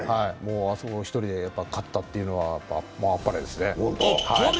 あそこを一人で勝ったというのはあっぱれですね。